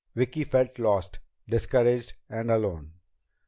Vicki felt lost, discouraged and alone.